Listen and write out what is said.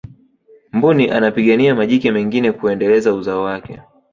mbuni anapigania majike mengine kuendeleza uzao wake